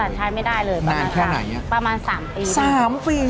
ใช้งานไม่ได้เลยประมาณค่ะประมาณ๓ปีครับนานแค่ไหนน่ะ